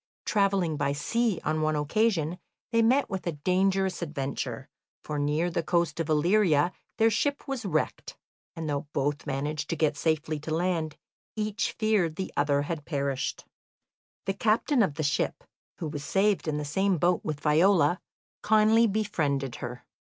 Travelling by sea on one occasion, they met with a dangerous adventure, for near the coast of Illyria their ship was wrecked, and though both managed to get safely to land, each feared the other had perished. The captain of the ship, who was saved in the same boat with Viola, kindly befriended her.